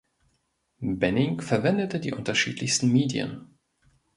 Benning verwendete die unterschiedlichsten Medien.